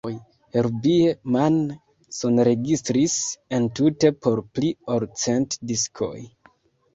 Herbie Mann sonregistris entute por pli ol cent diskoj.